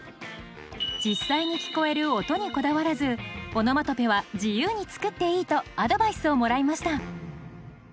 実際に聞こえる音にこだわらずオノマトペは自由に作っていいとアドバイスをもらいました。